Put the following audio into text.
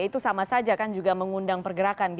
itu sama saja kan juga mengundang pergerakan